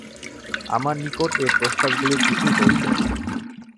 আমার নিকট ঐ প্রস্তাবগুলির কিছুই পৌঁছায়নি।